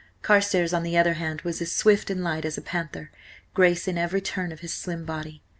Carstares, on the other hand, was as swift and light as a panther, grace in every turn of his slim body.